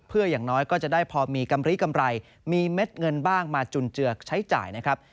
เพื่ออย่างน้อยก็จะได้พอมีกำลีกำไรมีเม็ดเงินบ้างมาจุนเจือกใช้จ่ายนะครับ